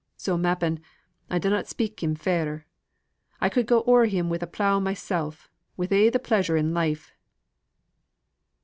So m'appen, I dunnot speak him fair. I could go o'er him wi' a plough mysel', wi' a' the pleasure in life."